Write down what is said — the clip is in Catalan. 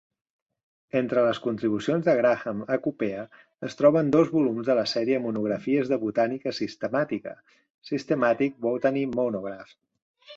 Entre les contribucions de Graham a "Cuphea" es troben dos volums de la sèrie "Monografies de Botànica Sistemàtica" (Systematic Botany Monographs).